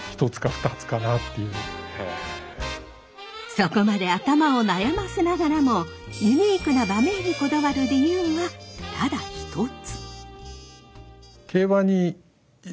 そこまで頭を悩ませながらもユニークな馬名にこだわる理由はただ一つ。